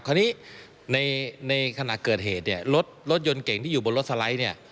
คราวนี้ในขณะเกิดเหตุเนี่ยรถยนต์เก่งที่อยู่บนรถสไลด์เนี่ย